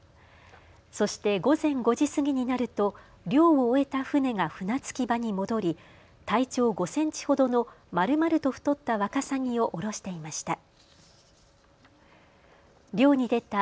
そして午前５時過ぎになると漁を終えた船が船着き場に戻り体長５センチほどのまるまると太ったワカサギを降ろしていました。